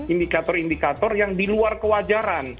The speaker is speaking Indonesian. indikator indikator yang di luar kewajaran